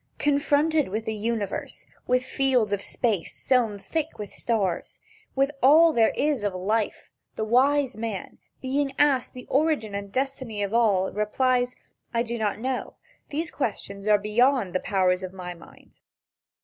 Confronted with the universe, with fields of space sown thick with stars, with all there is of life, the wise man, being asked the origin and destiny of all, replies: "I do not know. These questions are beyond the powers of my mind."